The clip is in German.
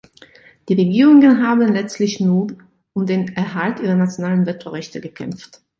Die Regierungen haben letztlich nur um den Erhalt ihrer nationalen Vetorechte gekämpft.